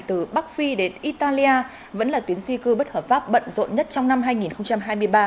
từ bắc phi đến italia vẫn là tuyến di cư bất hợp pháp bận rộn nhất trong năm hai nghìn hai mươi ba